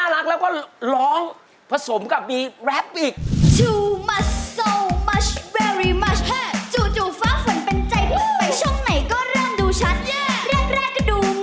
แรกก็ดูงันพอดูอีกวันน่ารักชิมมาก